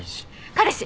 彼氏。